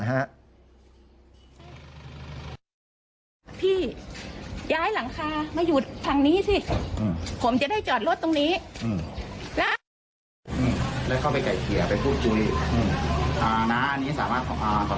หาเทศบาลเก็บปัจจุแจ้งไปมีการติดต่อมาว่า